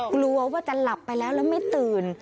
กลัวว่าจะหลับไปแล้วแล้วไม่ตื่น